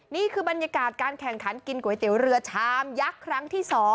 นี่คือบรรยากาศการแข่งขันกินก๋วยเตี๋ยวเรือชามยักษ์ครั้งที่๒